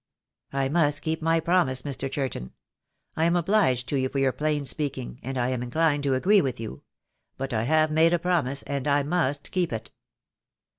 "I must keep my promise, Mr. Churton. I am obliged to you for your plain speaking, and I am inclined to agree with you; but I have made a promise, and I must keep it."